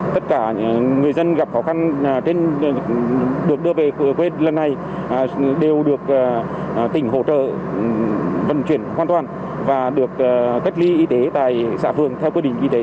tất cả người dân gặp khó khăn được đưa về quê lần này đều được tỉnh hỗ trợ vận chuyển hoàn toàn và được cách ly y tế tại xã phường theo quy định y tế